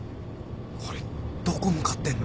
これどこ向かってんの？